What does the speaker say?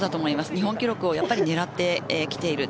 日本記録を狙ってきている。